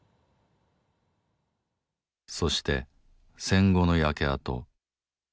そして戦後の焼け跡。